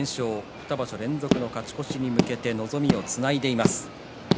２場所連続の勝ち越しに向けて望みをつないでいます。